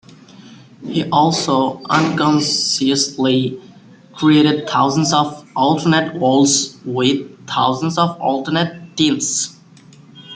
He also unconsciously created thousands of alternate worlds with thousands of alternate Tims.